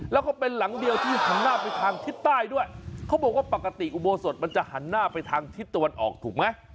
แล้วก็เป็นหลังเดียวที่หันหน้าไปทางทิศใต้ด้วยเขาบอกว่าปกติอุโบสถมันจะหันหน้าไปทางทิศตะวันออกถูกไหม